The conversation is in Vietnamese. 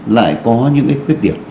lại có những cái khuyết điểm